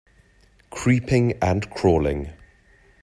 Creeping and crawling.